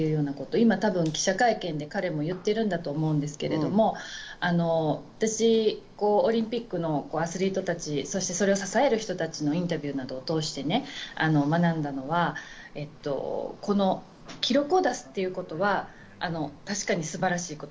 今、記者会見で彼は今言ってるんだと思いますけれども、私、オリンピックのアスリートたち、そして支える人たちにインタビューなどを通して学んだのは記録を出すということは確かに素晴らしいこと。